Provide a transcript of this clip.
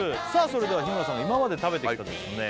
それでは日村さんが今まで食べてきたですね